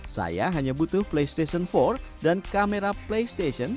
saya hanya butuh playstation empat dan kamera playstation